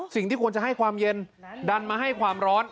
สิ่งที่ควรจะให้ความเย็นดันมาให้ความร้อน